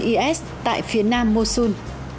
is tại phía nam mosul